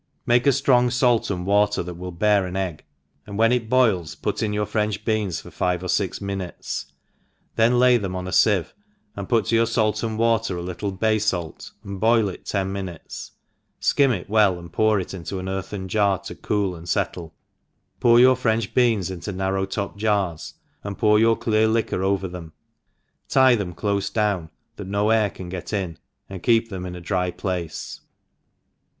MAKE a ftrong fait and water that will bear ^an tggt and when it boils put in your French beans for five or fi)c minutes, then lay them on a fieve, and put to your fait atld water a little bay fait, and boil it ten minutes, (kirn it well, and pour it into ah earthen jar td cool and fettle, put y6ur French beans into narrow topped jaria and pour youi? clciii liquof oVfef them ; tie tncm tlofe down, th^t nb air can get in, and keep them ih a dry place.